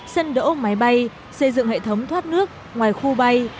sân đỗ máy bay xây dựng hệ thống thoát nước ngoài khu bay